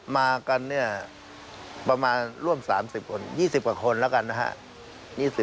มากันเนี่ยประมาณร่วม๓๐คน๒๐กว่าคนแล้วกันนะฮะ